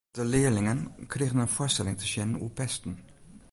De learlingen krigen in foarstelling te sjen oer pesten.